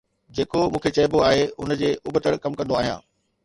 جيڪو مون کي چئبو آهي ان جي ابتڙ ڪم ڪندو آهيان